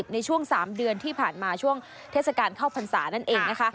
ในช่วง๓เดือนที่ผ่านช่วงเทศกาลข้าวผันสานั่นเอง